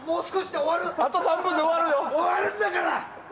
終わるんだから！